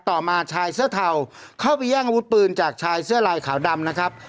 ต่อมาชายเสื้อเทาเข้าไปแย่งอาวุธปืนจากชายเสื้อลายขาวดำนะครับ